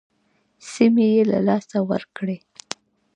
سیمې یې له لاسه ورکړې.